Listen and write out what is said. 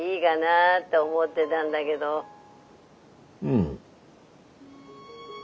うん。